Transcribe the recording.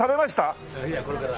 いやこれから。